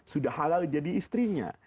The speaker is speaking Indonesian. sudah halal jadi istrinya